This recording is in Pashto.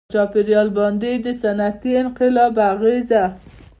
• په چاپېریال باندې د صنعتي انقلاب اغېزه.